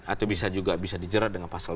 atau bisa juga bisa dijerat dengan pasal